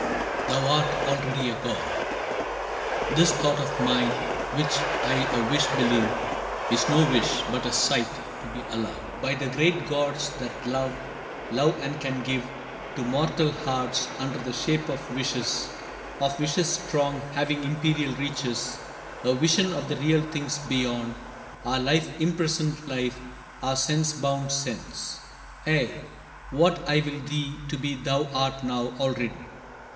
thou art already a god. This thought of mine, which I a wish believe, Is no wish, but a sight, to me allowed By the great gods, that love love and can give To mortal hearts, under the shape of wishes Of wishes strong, having imperial reaches A vision of the real things beyond Our life imprisoned life, our sense bound sense. Ay, what I will thee to be thou art now Already.